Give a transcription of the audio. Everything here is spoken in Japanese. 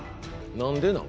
何でなん？